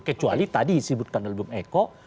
kecuali tadi disebutkan sebelum eko